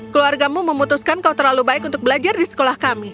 keluargamu memutuskan kau terlalu baik untuk belajar di sekolah kami